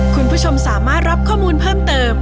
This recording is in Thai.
คุณผู้ชมสามารถรับข้อมูลเพิ่มเติม